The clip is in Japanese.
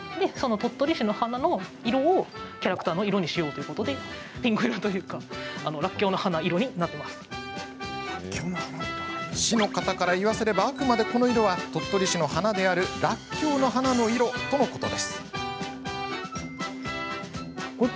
鳥取市の花の色をキャラクターの色にしようということで市の方から言わせれば、あくまでこの色は鳥取市の花であるらっきょうの花の色とのこと。